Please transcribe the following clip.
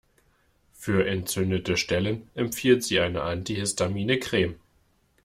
Für entzündete Stellen empfiehlt sie eine antihistamine Creme.